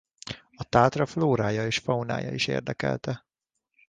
A Tátra flórája és faunája is érdekelte.